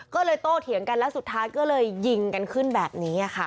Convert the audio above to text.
ก็เลยโตเถียงกันแล้วสุดท้ายก็เลยยิงกันขึ้นแบบนี้ค่ะ